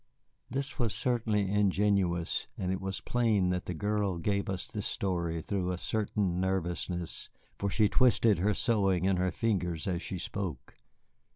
This was certainly ingenuous, and it was plain that the girl gave us this story through a certain nervousness, for she twisted her sewing in her fingers as she spoke.